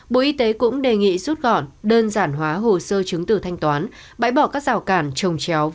bộ y tế cũng đề nghị rút gọn đơn giản hóa hồ sơ chứng tử thanh toán bãi bỏ các rào cản trồng chéo